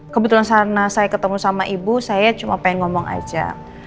kebetulan sana saya ketemu sama ibu saya cuma pengen ngomong aja